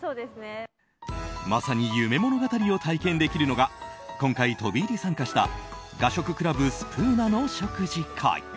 まさに夢物語を体験できるのが今回、飛び入り参加した雅食倶楽部ｓｐｏｏｎａの食事会。